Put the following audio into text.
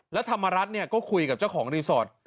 แล้วธรรมรัฐเนี่ยก็คุยกับเจ้าของรีสอร์ท